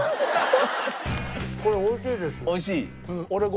これ美味しいです。